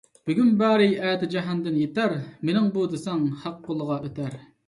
بۈگۈن بارى ئەتە جاھاندىن يىتەر، «مېنىڭ بۇ» دېسەڭ خەق قولىغا ئۆتەر.